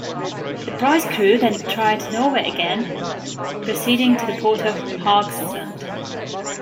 The prize crew then tried Norway again, proceeding to the port of Haugesund.